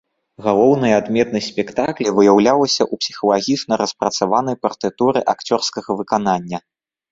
Галоўная адметнасць спектакля выяўлялася ў псіхалагічна распрацаванай партытуры акцёрскага выканання.